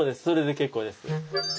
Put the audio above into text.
それで結構です。